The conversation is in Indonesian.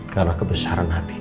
karena kebesaran hatinya